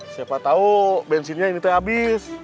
siapa tau bensinnya ini tuh abis